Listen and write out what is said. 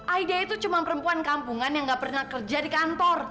aida itu cuma perempuan kampungan yang gak pernah kerja di kantor